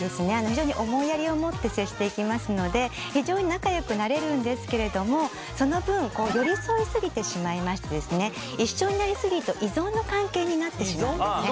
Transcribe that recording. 非常に思いやりを持って接していきますので非常に仲良くなれるんですけれどもその分寄り添いすぎてしまいまして一緒になりすぎると依存の関係になってしまうんですね。